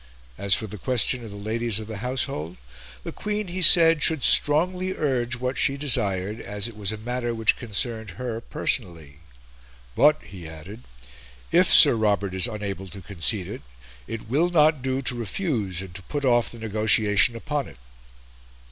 As for the question of the Ladies of the Household, the Queen, he said, should strongly urge what she desired, as it was a matter which concerned her personally, "but," he added, "if Sir Robert is unable to concede it, it will not do to refuse and to put off the negotiation upon it."